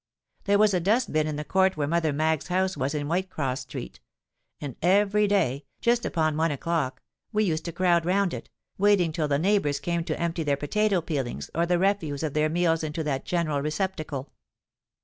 There was a dust bin in the court where Mother Maggs's house was in Whitecross Street; and every day, just upon one o'clock, we used to crowd round it, waiting till the neighbours came to empty their potato peelings or the refuse of their meals into that general receptacle.